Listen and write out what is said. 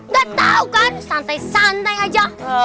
gak tau kan santai santai aja